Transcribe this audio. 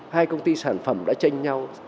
hai công ty sản phẩm đã chênh nhau